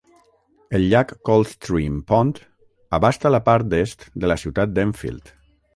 El llac Cold Stream Pond abasta la part est de la ciutat d'Enfield.